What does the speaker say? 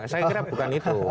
saya kira bukan itu